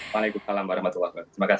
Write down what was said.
waalaikumsalam warahmatullahi wabarakatuh